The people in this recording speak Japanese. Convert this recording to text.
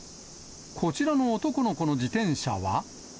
こちらの男の子の自転車は。